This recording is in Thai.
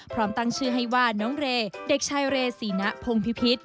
พร้อมตั้งชื่อให้ว่าน้องเรย์เด็กชายเรศีนะพงพิพิษ